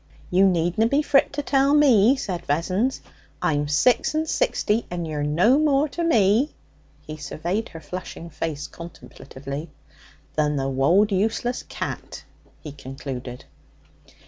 'You needna be frit to tell me,' said Vessons. 'I'm six and sixty, and you're no more to me' he surveyed her flushing face contemplatively 'than the wold useless cat,' he concluded.